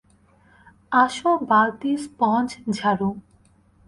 আসো, বালতি, স্পঞ্জ, ঝাড়ু।